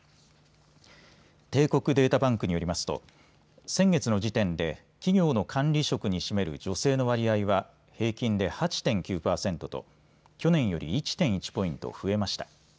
帝国データバンクによりますと先月の時点で企業の管理職に占める女性の割合は平均で８．９％と去年より１．１ポイント増えました。